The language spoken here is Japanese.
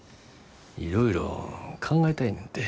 いろいろ考えたいねんて。